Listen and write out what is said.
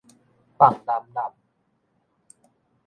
放荏荏